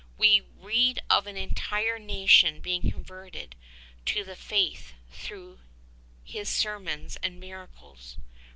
We read of an entire nation being converted to the Faith through his sermons and miracles.